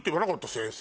先生。